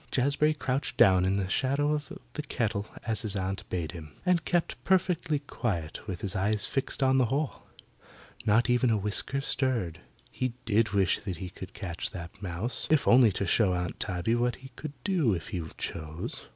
Jazbury crouched down in the shadow of the kettle as his aunt bade him, and kept perfectly quiet with his eyes fixed on the hole. Not even a whisker stirred. He did wish he could catch that mouse, if only to show Aunt Tabby what he could do if he chose.